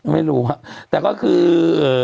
ไม่รู้อะแต่ก็คือ